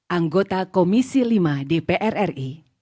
anggota komisi lima dpr ri